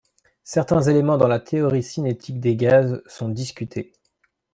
certains éléments de la théorie cinétique des gaz sont discutés